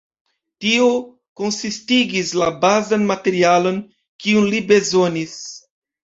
Tio konsistigis la bazan materialon, kiun li bezonis.